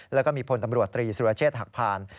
แล้วก็มีพลตำรวจตรีสุรเชษฐ์หักผ่าน